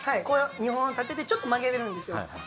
２本を立ててちょっと曲げるんですよ。